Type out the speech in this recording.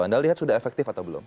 anda lihat sudah efektif atau belum